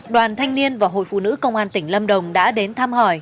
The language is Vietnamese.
đoàn thanh niên và hội phụ nữ công an tỉnh lâm đồng đã đến thăm hỏi